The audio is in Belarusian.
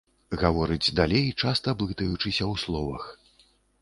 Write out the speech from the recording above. Гаворыць далей, часта блытаючыся ў словах.